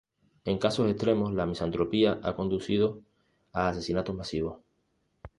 En casos extremos, la misantropía ha conducido a asesinatos masivos.